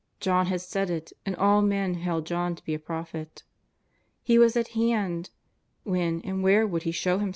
John had said it, and all men held John to be a prophet. He was at hand ; when and where would He show Himself?